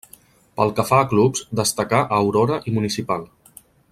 Pel que fa a clubs, destacà a Aurora i Municipal.